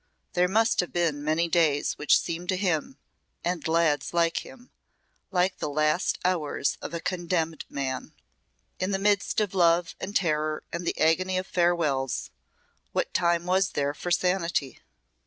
There must have been days which seemed to him and lads like him like the last hours of a condemned man. In the midst of love and terror and the agony of farewells what time was there for sanity?"